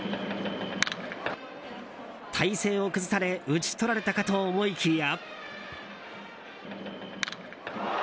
体勢を崩され打ち取られたかと思いきや。